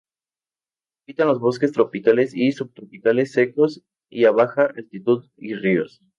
Habitaba en bosques tropicales o subtropicales secos y a baja altitud y ríos.